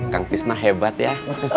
kang tisna hebat ya